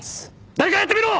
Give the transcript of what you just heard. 誰かやってみろ！